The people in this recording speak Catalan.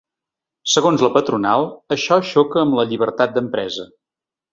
Segons la patronal, això xoca amb la llibertat d’empresa.